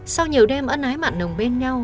sau nhiều đêm ấn ái mạng nồng bên nhau